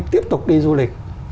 tiếp tục đi du lịch